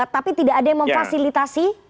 tapi tidak ada yang memfasilitasi